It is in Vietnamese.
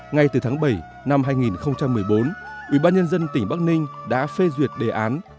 ngay từ tháng bảy năm hai nghìn một mươi bốn ubnd tỉnh bắc ninh đã phê duyệt đề án